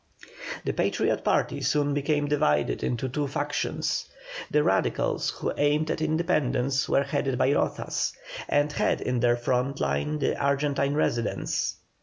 The Patriot party soon became divided into two factions. The Radicals, who aimed at independence, were headed by Rozas, and had in their front line the Argentine residents.